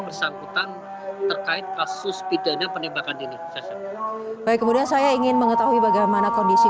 bersangkutan terkait kasus pidana penembakan ini baik kemudian saya ingin mengetahui bagaimana kondisi